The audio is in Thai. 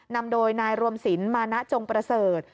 นำโดยนายรวมสินมานะจงประเสริฐ